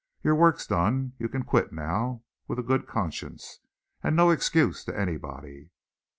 Your work's done, you can quit now with a good conscience and no excuse to anybody."